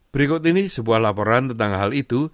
berikut ini sebuah laporan tentang hal itu